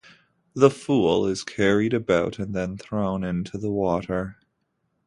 The Fool is carried about and then thrown into the water.